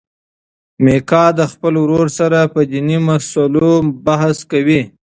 میکا د خپل ورور سره په دیني مسلو بحث کوي.